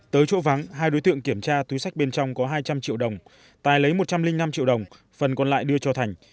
tới chỗ vắng hai đối tượng kiểm tra túi sách bên trong có hai trăm linh triệu đồng tài lấy một trăm linh năm triệu đồng phần còn lại đưa cho thành